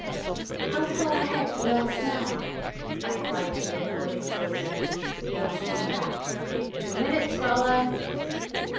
" How far ahead the last man ?" I cried to the recording soldier. He answered me back, " Two minutes, Fraulein."